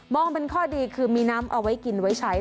องเป็นข้อดีคือมีน้ำเอาไว้กินไว้ใช้